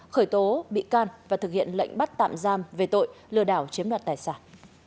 khởi tố bị can và thực hiện lệnh bắt tạm giam về tội lừa đảo chiếm đoạt tài sản